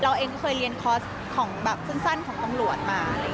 เราเองก็เรียนคอร์สสั้นของของฐานกรวจมา